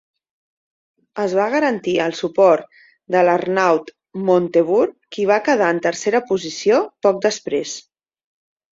Es va garantir el suport de l"Arnaud Montebourg, qui va quedar en tercera posició, poc després.